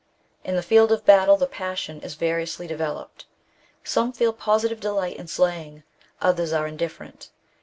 In the field of battle the passion is variously deve loped ; some feel positive delight in slaying, others are indifferent.